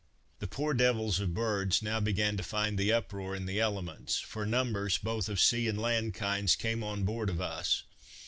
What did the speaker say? The poor devils of birds now began to find the uproar in the elements, for numbers, both of sea and land kinds, came on board of us.